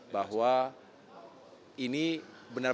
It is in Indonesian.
bahwa ini benar benar